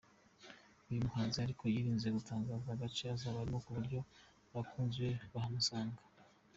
Uyu muhanzi ariko yirinze gutangaa agace azaba arimo ku buryo abakunzi be bahamusanga.